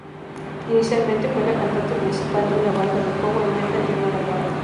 Inicialmente fue la cantante principal de una banda de "power metal" llamada Karma.